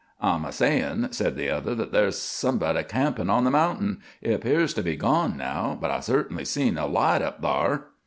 "I'm a sayin'," said the other, "that there's somebody campin' on the mountain. It 'pears to be gone now, but I certainly seen a light up thar."